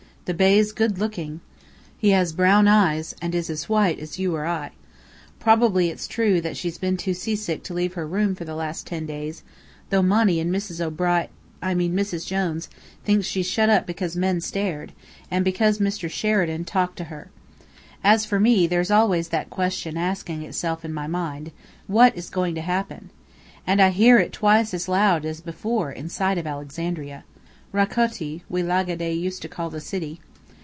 The Bey's good looking. He has brown eyes, and is as white as you or I. Probably it's true that she's been too seasick to leave her room for the last ten days, though Monny and Mrs. O'Bri I mean, Mrs. Jones think she's shut up because men stared, and because Mr. Sheridan talked to her. As for me, there's always that question asking itself in my mind: 'What is going to happen?' And I hear it twice as loud as before, in sight of Alexandria. Rakoti, we Lagidae used to call the city."